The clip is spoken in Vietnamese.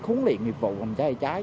khuấn luyện nghiệp vụ phòng cháy cháy